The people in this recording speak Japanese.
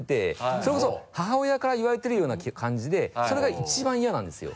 それこそ母親から言われてるような感じでそれが一番嫌なんですよ。